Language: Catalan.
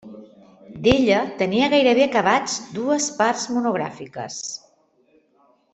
D'ella tenia gairebé acabats dues parts monogràfiques.